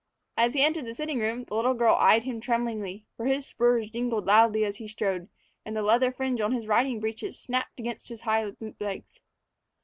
As he entered the sitting room, the little girl eyed him tremblingly, for his spurs jingled loudly as he strode, and the leather fringe on his riding breeches snapped against his high boot legs.